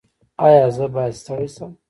ایا زه باید ستړی شم؟